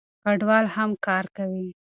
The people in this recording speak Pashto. کډوال هم کار کوي.